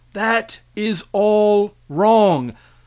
That is all wrong.